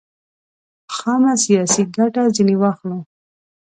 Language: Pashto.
خامه سیاسي ګټه ځنې واخلو.